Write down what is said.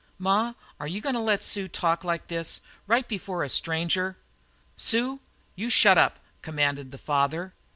"Ma, are you goin' to let Sue talk like this right before a stranger?" "Sue, you shut up!" commanded the father.